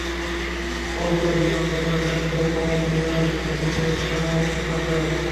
অন্তবিহীন অন্ধকার ভেদ করে তোমার গৃহ থেকে শেষ সানাইয়ের সুর আসে।